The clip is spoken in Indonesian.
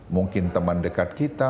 mungkin teman dekat kita